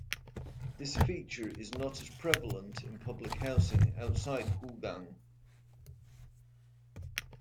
This feature is not as prevalent in public housing outside Hougang.